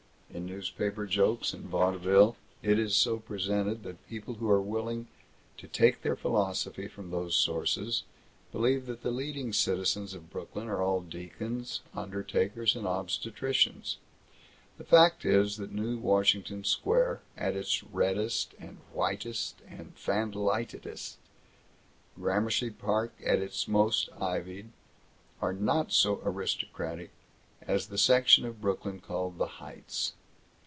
In newspaper jokes and vaudeville it is so presented that people who are willing to take their philosophy from those sources believe that the leading citizens of Brooklyn are all deacons, undertakers, and obstetricians. The fact is that North Washington Square, at its reddest and whitest and fanlightedest, Gramercy Park at its most ivied, are not so aristocratic as the section of Brooklyn called the Heights.